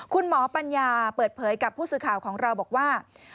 ปัญญาเปิดเผยกับผู้สื่อข่าวของเราบอกว่า